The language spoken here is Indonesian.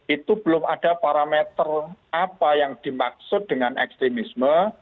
itu belum ada parameter apa yang dimaksud dengan ekstremisme